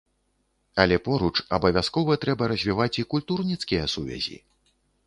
Але поруч абавязкова трэба развіваць і культурніцкія сувязі.